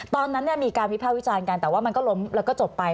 ตอนนั้นมีการวิภาควิจารณ์กันแต่ว่ามันก็ล้มแล้วก็จบไป